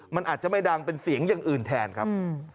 มันอาจจะไม่ดังเป็นเสียงอย่างอื่นแทนครับ